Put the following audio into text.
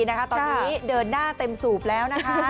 ตอนนี้เดินหน้าเต็มสูบแล้วนะคะ